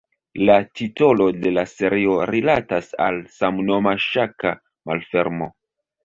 La titolo de la serio rilatas al samnoma ŝaka malfermo.